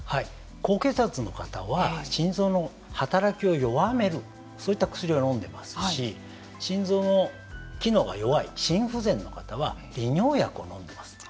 高血圧の方は心臓の働きを弱めるそういった薬を飲んでいますし心臓の機能が弱い心不全の方は利尿薬を飲んでいます。